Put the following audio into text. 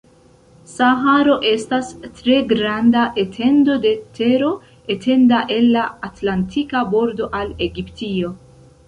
Saharo estas tre granda etendo de tero etenda el la Atlantika bordo al Egiptio.